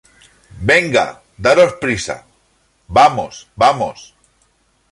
venga, daros prisa. vamos, vamos.